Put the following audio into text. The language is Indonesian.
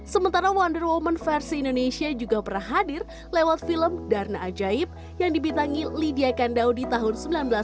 sementara wonder woman versi indonesia juga pernah hadir lewat film dharna ajaib yang dibintangi lydia kandau di tahun seribu sembilan ratus sembilan puluh